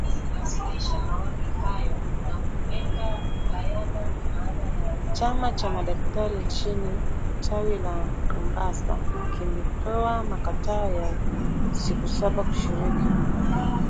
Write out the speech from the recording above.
Chama cha madaktari nchini tawi la Mombasa kimetoa makataa ya siku saba kushiriki